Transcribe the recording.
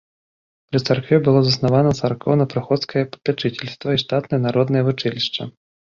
Пры царкве было заснавана царкоўна-прыходскае папячыцельства і штатнае народнае вучылішча.